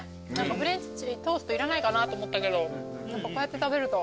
フレンチトーストいらないかなと思ったけどこうやって食べると。